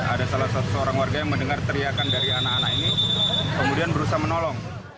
ada salah seorang warga yang mendengar teriakan dari anak anak ini kemudian berusaha menolong